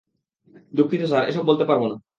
দুঃখিত স্যার, এসব বলতে পারব না।